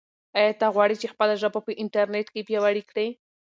آیا ته غواړې چې خپله ژبه په انټرنیټ کې پیاوړې کړې؟